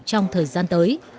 trong thời gian tới